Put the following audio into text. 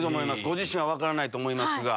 ご自身は分からないと思いますが。